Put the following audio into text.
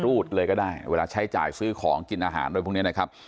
รูดเลยก็ได้เวลาใช้จ่ายซื้อของกินอาหารอะไรพวกนี้นะครับ